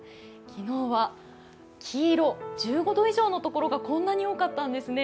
昨日は黄色、１５度以上の所がこんなに多かったんですね。